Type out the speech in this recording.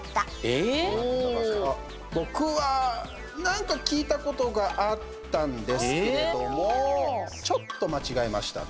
僕は何か聞いたことがあったんですけれどもちょっと間違えましたね。